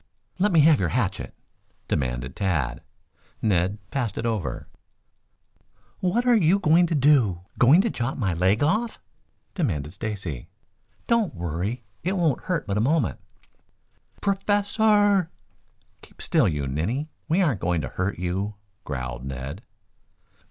"Let me have your hatchet," demanded Tad. Ned passed it over. "What are you going to do? Going to chop my leg off?" demanded Stacy. "Don't worry. It won't hurt but a moment." "Pro o o o fessor!" "Keep still, you ninny! We aren't going to hurt you," growled Ned.